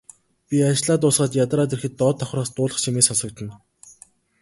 Би ажлаа дуусгаад ядраад ирэхэд доод давхраас дуулах чимээ сонсогдоно.